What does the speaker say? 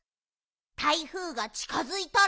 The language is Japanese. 台風がちかづいたら。